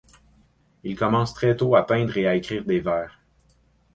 Il commence très tôt à peindre et à écrire des vers.